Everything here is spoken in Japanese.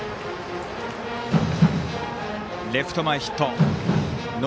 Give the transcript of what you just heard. レフト前ヒット。